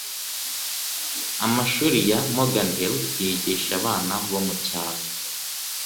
Amashuri ya Morgan Hill yigisha abana bo mucyaro